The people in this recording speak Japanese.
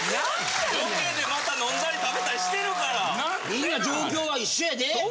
みんな状況は一緒やで。